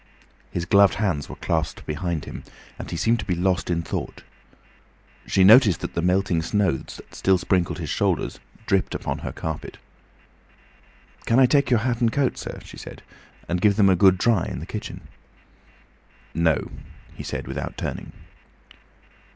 His gloved hands were clasped behind him, and he seemed to be lost in thought. She noticed that the melting snow that still sprinkled his shoulders dripped upon her carpet. "Can I take your hat and coat, sir?" she said, "and give them a good dry in the kitchen?" "No," he said without turning.